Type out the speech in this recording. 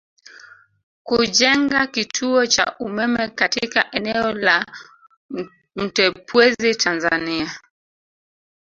Kujenga kituo cha umeme katika eneo la Mtepwezi Tanzania